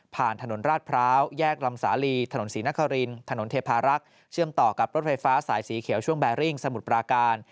ถนนราชพร้าวแยกลำสาลีถนนศรีนครินถนนเทพารักษ์เชื่อมต่อกับรถไฟฟ้าสายสีเขียวช่วงแบริ่งสมุทรปราการ